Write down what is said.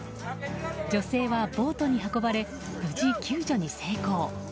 女性はボートに運ばれ無事救助に成功。